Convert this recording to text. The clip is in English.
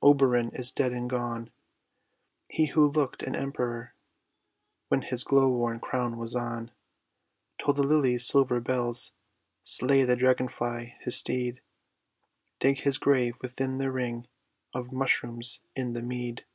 Oberon is dead and gone! He who looked an emperor When his glow worm crown was on. Toll the lilies' silver bells! Slay the dragonfly, his steed; Dig his grave within the ring Of the mushrooms in the mead.